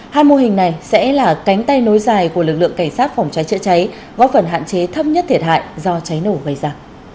hai mô hình này sẽ là cánh tay nối dài của lực lượng cảnh sát phòng cháy chữa cháy góp phần hạn chế thấp nhất thiệt hại do cháy nổ gây ra